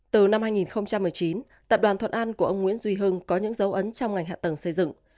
từ năm hai nghìn một mươi chín tập đoàn thuận an của ông nguyễn duy hưng có những dấu ấn trong ngành hạ tầng xây dựng